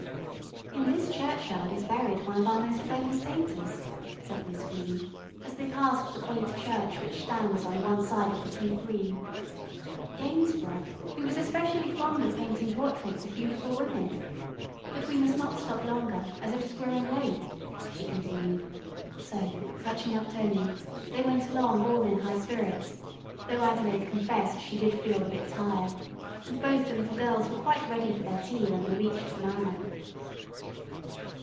"In this churchyard is buried one of our most famous painters," said Miss Green, as they passed the quaint church which stands on one side of the Kew Green, "Gainsborough, who was especially fond of painting portraits of beautiful women. But we must not stop longer, as it is growing late," she continued, so touching up Tony, they went along all in high spirits, though Adelaide confessed she did feel a bit tired, and both the little girls were quite ready for their tea when they reached the manor.